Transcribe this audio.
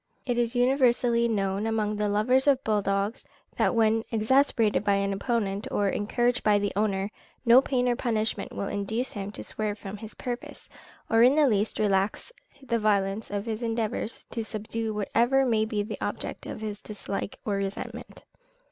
It is universally known amongst the lovers of bull dogs, that when once exasperated by an opponent or encouraged by the owner, no pain or punishment will induce him to swerve from his purpose, or in the least relax the violence of his endeavours to subdue whatever may be the object of his dislike or resentment.